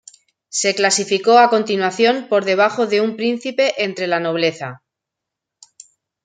Se clasificó a continuación por debajo de un príncipe entre la nobleza.